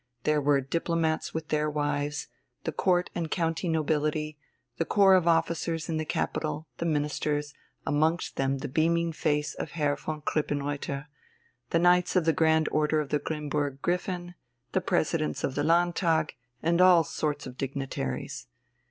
There were diplomats with their wives, the Court and county nobility, the corps of officers in the capital, the Ministers, amongst them the beaming face of Herr von Krippenreuther, the Knights of the Grand Order of the Grimmburg Griffin, the Presidents of the Landtag, and all sorts of dignitaries.